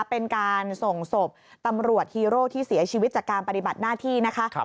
เป็นการส่งศพตำรวจฮีโร่ที่เสียชีวิตจากการปฏิบัติหน้าที่นะคะ